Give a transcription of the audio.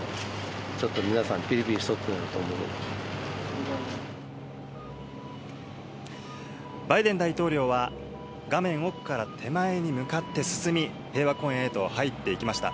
ちょっと皆さん、バイデン大統領は画面奥から手前に向かって進み、平和公園へと入っていきました。